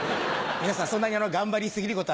皆さんそんなに頑張り過ぎることはないです。